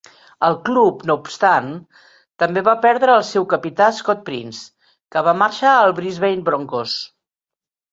El club, no obstant, també va perdre el seu capità Scott Prince, que va marxar als Brisbane Broncos.